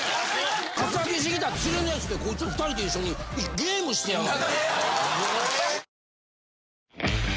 ・カツアゲしてきた連れのやつとコイツ２人で一緒にゲームしてやがる。